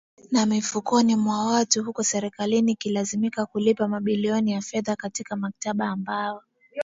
ya mfukoni mwa watu huku Serikali ikilazimika kulipa mabilioni ya fedha katika mkataba ambao